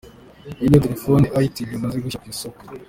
Iyi niyo telefone Itel yamaze gushyira ku isoko.